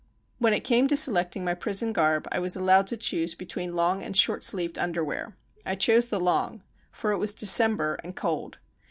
When it came to selecting my prison garb, I was allowed to choose between long and short sleeved tinderwear. I chose the long, for it was December and cold.